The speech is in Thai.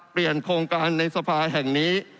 เปลี่ยนโครงการในสะพายแห่งนี้